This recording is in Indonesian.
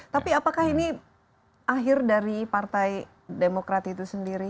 tapi apakah ini akhir dari partai demokrat itu sendiri